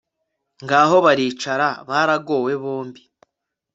ngaho baricara, baragowe bombi